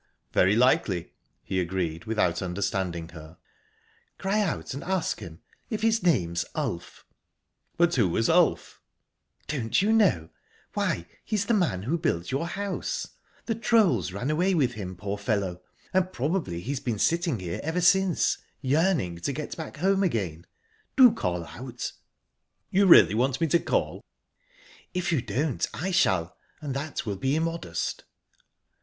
"Very likely," he agreed, without understanding her. "Cry out and ask him if his name's Ulf." "But who was Ulf?" "Don't you know? Why he's the man who built your house. The trolls ran away with him, poor fellow! and probably he's been sitting here ever since, yearning to get back home again...Do call out." "You really want me to call?" "If you don't I shall, and that will be immodest."